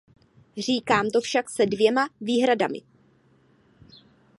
Říkám to však se dvěma výhradami.